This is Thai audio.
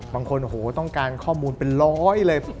บางคนโอ้โหต้องการข้อมูลเป็นร้อยเลย